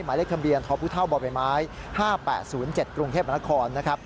หมายเลขคำเบียนทภูเท่าบม๕๘๐๗กรุงเทพฯบรรคคล